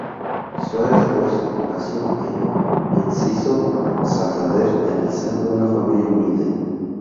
Suárez Corzo nació en Enciso, Santander en el seno de una familia humilde.